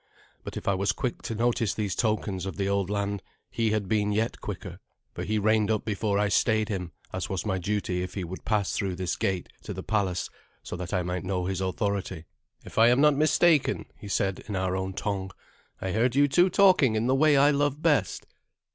But if I was quick to notice these tokens of the old land, he had been yet quicker, for he reined up before I stayed him, as was my duty if he would pass through this gate to the palace, so that I might know his authority. "If I am not mistaken," he said in our own tongue, "I heard you two talking in the way I love best.